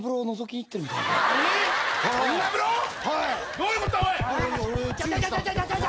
どういうことだ？